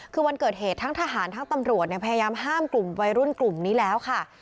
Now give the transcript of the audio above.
คือวันเกิดเหตุทั้งทหารทั้งตำรวจพยายามห้ามกลุ่มวัยรุ่นกลุ่มนี้แล้วค่ะ